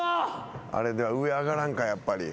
あれでは上上がらんかやっぱり。